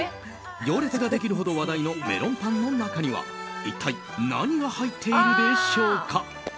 行列ができるほど話題のメロンパンの中には一体、何が入っているでしょうか。